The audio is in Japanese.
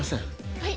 はい。